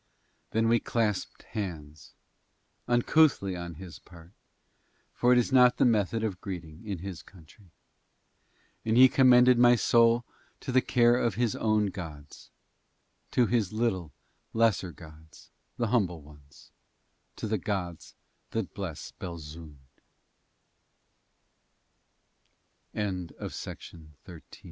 Then we clasped hands, uncouthly on his part, for it is not the method of greeting in his country, and he commended my soul to the care of his own gods, to his little lesser gods, the humble ones, to the gods that bless Belzoond. A SHOP IN GO BY STR